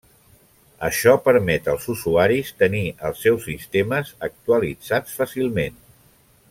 Això permet als usuaris tenir els seus sistemes actualitzats fàcilment.